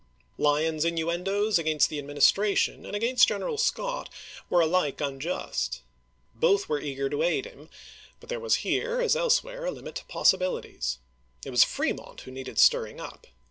Lyon's innuendoes against the Administration and against General Scott were alike unjust. Both were eager to aid him, but there was here, as else where, a limit to possibilities. It was Fremont who needed stirring up.